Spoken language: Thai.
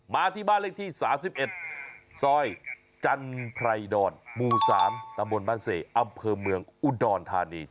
มาที่บ้านเลขที่๓๑ซอยจันไพรดรหมู่๓ตำบลบ้านเสอำเภอเมืองอุดรธานี